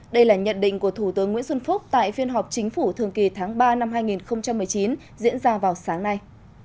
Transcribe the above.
đây là nhận định của thủ tướng nguyễn xuân phúc tại phiên họp chính phủ thường kỳ tháng ba năm hai nghìn một mươi chín diễn ra vào sáng nay